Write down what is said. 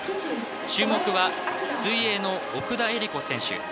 注目は水泳の奥田恵理子選手。